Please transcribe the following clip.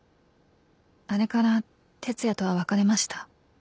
「あれから哲哉とは別れました」